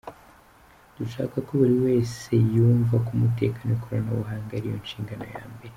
Dushaka ko buri wese yumva ko umutekano w’ikoranabuhanga ari yo nshingano ya mbere.